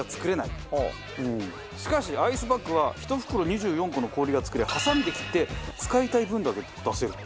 しかしアイスバッグは１袋２４個の氷が作れハサミで切って使いたい分だけ出せる。